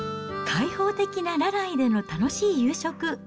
開放的なラナイでの楽しい夕食。